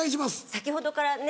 先ほどからね